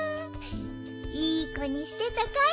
いいこにしてたかい？